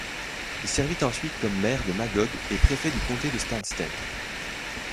Il servit ensuite comme maire de Magog et préfet du comté de Stanstead.